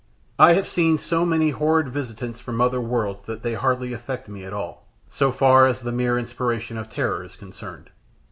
I have seen so many horrid visitants from other worlds that they hardly affect me at all, so far as the mere inspiration of terror is concerned.